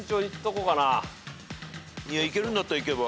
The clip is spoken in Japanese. いけるんだったらいけば？